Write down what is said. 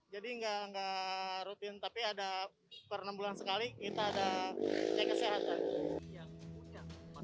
jadi nggak rutin tapi ada per enam bulan sekali kita ada cek kesehatan